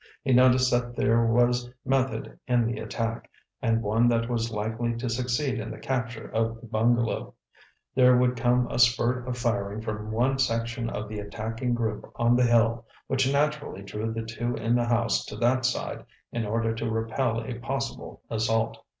He noticed that there was method in the attack, and one that was likely to succeed in the capture of the bungalow. There would come a spurt of firing from one section of the attacking group on the hill, which naturally drew the two in the house to that side in order to repel a possible assault.